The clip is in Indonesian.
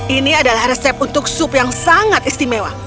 ini adalah resep untuk sup yang sangat istimewa